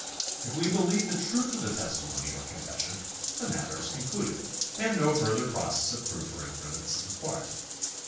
If we believe the truth of the testimony or confession, the matter is concluded, and no further process of proof or inference is required.